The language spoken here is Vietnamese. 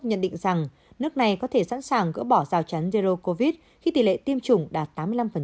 nhận định rằng nước này có thể sẵn sàng gỡ bỏ rào chắn zero covid khi tỷ lệ tiêm chủng đạt tám mươi năm